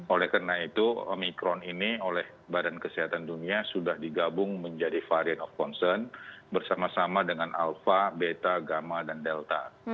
oleh karena itu omikron ini oleh badan kesehatan dunia sudah digabung menjadi varian of concern bersama sama dengan alpha beta gamma dan delta